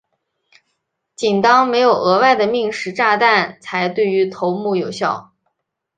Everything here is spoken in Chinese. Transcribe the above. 仅当没有额外的命时炸弹才对于头目有效。